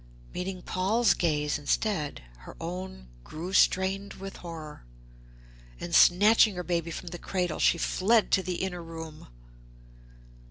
Meeting Paul's gaze instead, her own grew strained with horror, and snatching her baby from the cradle she fled to the inner room.